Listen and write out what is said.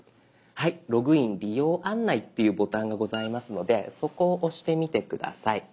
「ログイン・利用案内」っていうボタンがございますのでそこを押してみて下さい。